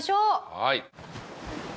はい。